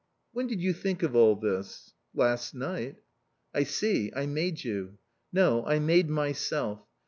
"When did you think of all this?" "Last night." "I see. I made you." "No. I made myself.